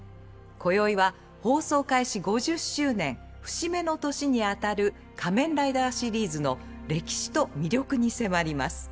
今宵は放送開始５０周年節目の年にあたる「仮面ライダー」シリーズの歴史と魅力に迫ります。